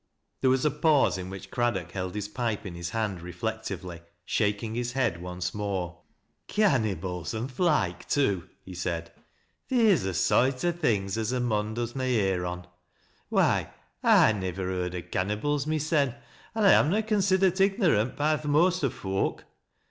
There was a pause, in which Craddock held his pipe in his hand reflectively— shaking his head once more. " Cannybles an' th' loike too," he said. " Theer's a Boight o' things as a mon does na hear on. Why, I niv ver heard o' cannybles mysen, an' I am na considert igno rant by th' most o' foak."